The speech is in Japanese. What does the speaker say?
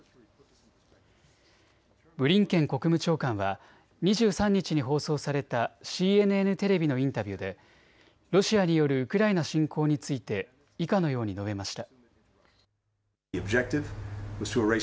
ブリンケン国務長官は２３日に放送されたＣＮＮテレビのインタビューでロシアによるウクライナ侵攻について以下のように述べました。